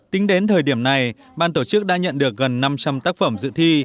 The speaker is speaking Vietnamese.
tính đến thời điểm này ban tổ chức đã nhận được gần năm trăm linh tác phẩm dự thi